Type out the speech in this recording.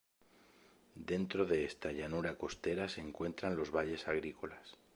Dentro de esta llanura costera se encuentran los valles agrícolas.